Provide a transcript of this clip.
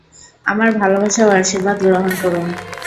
আমার ভালবাসা ও আশীর্বাদ গ্রহণ করুন।